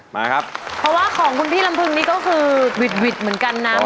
เพราะว่าของคุณพี่ลำพึงนี้ก็คือหวิดเหมือนกันน่ะไม่แน่เลย